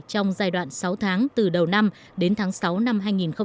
trong giai đoạn sáu tháng từ đầu năm đến tháng sáu năm hai nghìn hai mươi